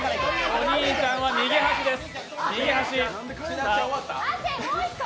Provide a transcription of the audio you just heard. お兄ちゃんは右端です。